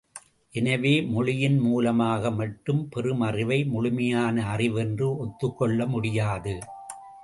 எனவே மொழியின் மூலமாக மட்டும் பெறும் அறிவை முழுமையான அறிவு என்று ஒத்துக்கொள்ள முடியாது.